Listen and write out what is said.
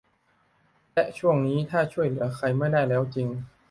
และช่วงนี้ถ้าช่วยเหลือใครไม่ได้แล้วจริง